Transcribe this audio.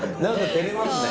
照れますね。